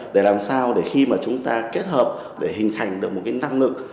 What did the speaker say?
để làm sao để khi chúng ta kết hợp để hình thành được một năng lực